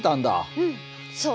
うんそう。